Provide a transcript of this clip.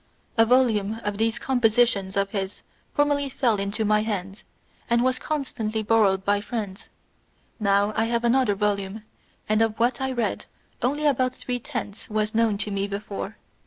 A volume of these compositions of his formerly fell into my hands, and was constantly borrowed by friends ; now, I have another volume, and of what I read only about three tenths was known to me before.